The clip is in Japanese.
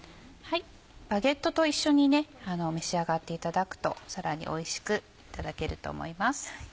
バゲットと一緒に召し上がっていただくとさらにおいしくいただけると思います。